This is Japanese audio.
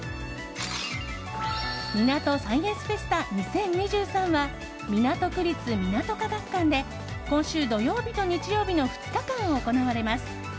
みなとサイエンスフェスタ２０２３は港区立みなと科学館で今週土曜日と日曜日の２日間行われます。